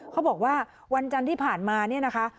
เขาบอกว่าวันจันทร์ที่ผ่านมาเนี่ยนะคะ